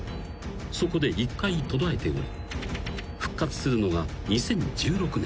そこで１回途絶えており復活するのが２０１６年］